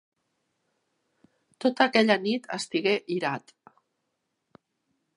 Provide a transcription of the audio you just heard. Tota aquella nit estigué irat.